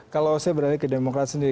kalau saya beralih ke demokrat sendiri